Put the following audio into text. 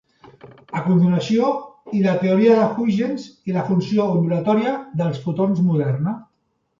A continuació hi la teoria de Huygens i la funció ondulatòria dels fotons moderna.